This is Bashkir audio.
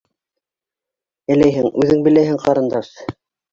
Әләйһәң, үҙең беләһең, ҡарындаш...